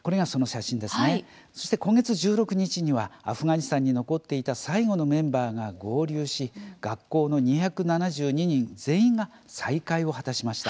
そして今月１６日にはアフガニスタンに残っていた最後のメンバーが合流し学校の２７２人、全員が再会を果たしました。